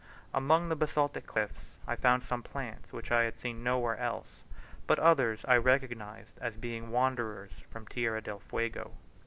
Among the basaltic cliffs I found some plants which I had seen nowhere else, but others I recognised as being wanderers from Tierra del Fuego.